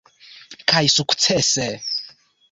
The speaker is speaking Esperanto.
Kaj sukcese!